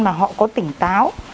mà họ có tỉnh táo